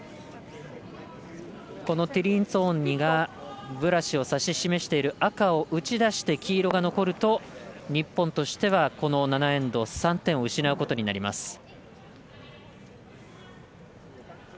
ティリンツォーニがブラシを指し示している赤を打ち出して、黄色が残ると日本としては３点を失うことになります。